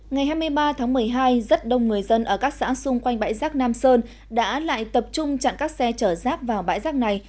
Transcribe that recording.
ngày hai mươi ba tháng một mươi hai rất đông người dân ở các xã xung quanh bãi rác nam sơn đã lại tập trung chặn các xe chở rác vào bãi rác này